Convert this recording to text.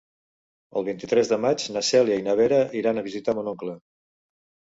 El vint-i-tres de maig na Cèlia i na Vera iran a visitar mon oncle.